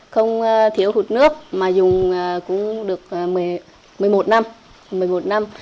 không thiếu hụt nước mà dùng cũng được một mươi một năm